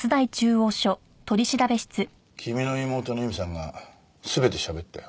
君の妹の由美さんが全て喋ったよ。